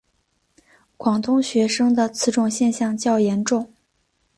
广东学生的此种现象较严重。